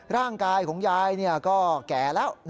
ร่างกายของยายก็แก่แล้ว